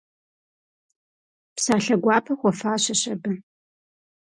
Псалъэ гуапэ хуэфащэщ абы.